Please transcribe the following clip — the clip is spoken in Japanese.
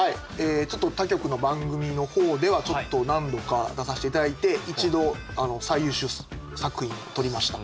ちょっと他局の番組の方では何度か出させて頂いて一度最優秀作品を取りました。